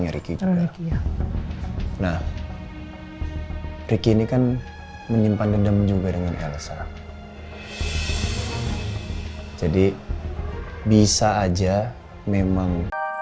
riki juga nah ricky ini kan menyimpan dendam juga dengan elsa jadi bisa aja memang